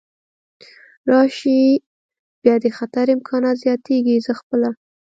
راشي، بیا د خطر امکانات زیاتېږي، زه خپله.